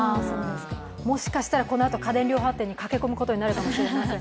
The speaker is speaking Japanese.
もしかしたらこのあと家電量販店に駆け込むことになるかもしれません。